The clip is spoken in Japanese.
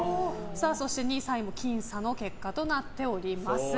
２位、３位も僅差の結果となっております。